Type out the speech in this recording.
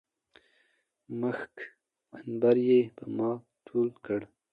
مښک، عنبر يې په ما توى کړل